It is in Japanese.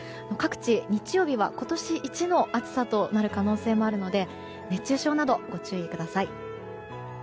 各地、日曜日は今年一の暑さとなる可能性もあるので熱中症などご注意ください。